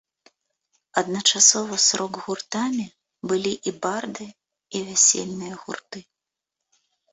Адначасова з рок-гуртамі былі і барды, і вясельныя гурты.